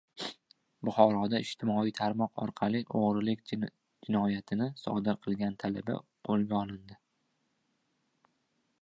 Buxoroda ijtimoiy tarmoq orqali o‘g‘irlik jinoyatini sodir qilgan talaba qo‘lga olindi